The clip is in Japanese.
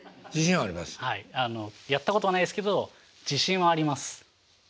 はいやったことはないですけど自信はあります。